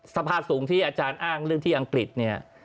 สภาสูงที่อาจารย์อ้างเรื่องที่อังกฤษเนี่ย